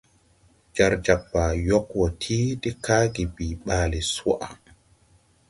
Jar jag Baa yog wo ti de kage bii ɓaale swaʼa.